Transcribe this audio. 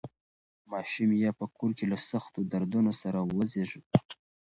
ماشوم یې په کور کې له سختو دردونو سره وزېږېد.